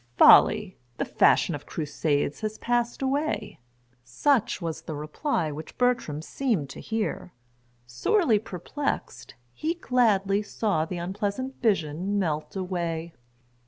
"Folly! the fashion of crusades has passed away:" such was the reply which Bertram seemed to hear. Sorely perplexed, he gladly saw the unpleasant vision melt away.